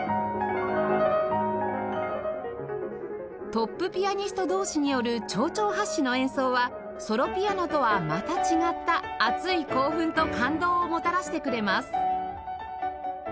トップピアニスト同士による丁々発止の演奏はソロピアノとはまた違った熱い興奮と感動をもたらしてくれます